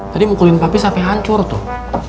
tadi mukulin papi sampai hancur tuh